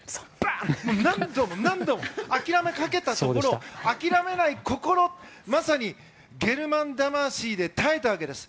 何度も何度も諦めかけたところ諦めない心、まさにゲルマン魂で耐えたわけです。